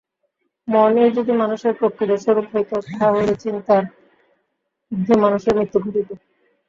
মনই যদি মানুষের প্রকৃত স্বরূপ হইত, তাহা হইলে চিন্তার ঊর্ধ্বে মানুষের মৃত্যু ঘটিত।